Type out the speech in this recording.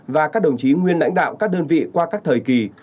và các đồng chí nguyên lãnh đạo các đơn vị qua các thời kỳ